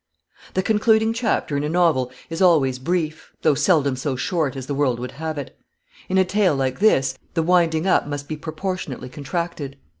The concluding chapter in a novel is always brief, though seldom so short as the world would have it. In a tale like this, the "winding up" must be proportionately contracted.